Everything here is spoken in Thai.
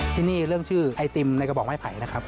ที่นี่เรื่องชื่อไอติมในกระบอกไม้ไผ่นะครับ